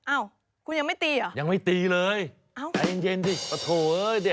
อ้าวคุณยังไม่ตีเหรอยังไม่ตีเลยเอาไอ้เย็นเย็นสิโอ้โธ่เอ้ย